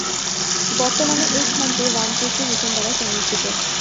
বর্তমানে এই স্থানটি রামকৃষ্ণ মিশন দ্বারা সংরক্ষিত।